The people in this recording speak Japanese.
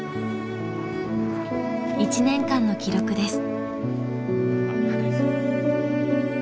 １年間の記録です。